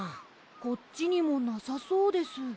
こっちにもなさそうです。